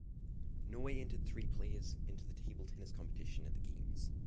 Norway entered three players into the table tennis competition at the games.